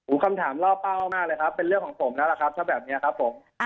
คำถามล่อเป้ามากเลยครับเป็นเรื่องของผมแล้วล่ะครับถ้าแบบนี้ครับผม